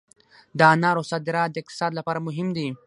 د انارو صادرات د اقتصاد لپاره مهم دي